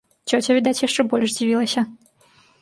Цёця, відаць, яшчэ больш дзівілася.